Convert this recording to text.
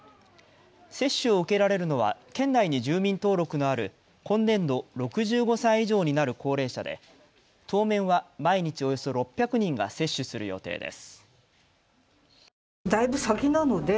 接種を受けられるのは県内に住民登録のある今年度６５歳以上になる高齢者で当面は毎日およそ６００人が接種する予定です。